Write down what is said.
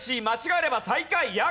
間違えれば最下位。